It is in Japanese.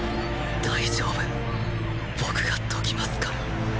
大丈夫僕が解きますから